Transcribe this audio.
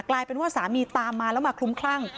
กลายเป็นว่าสามีตามมาแล้วมาคลุ้มคลั่ง